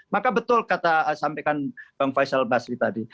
maka betul kata sampaikan bang faisal basri tadi